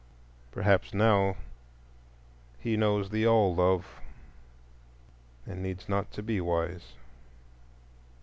Perhaps now he knows the All love, and needs not to be wise.